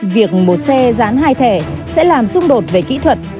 việc một xe dán hai thẻ sẽ làm xung đột về kỹ thuật